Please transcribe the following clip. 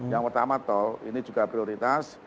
yang pertama tol ini juga prioritas